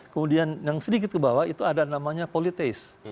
kemudian yang sedikit ke bawah itu ada namanya politeis